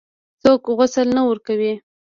څوک غسل نه ورکوي.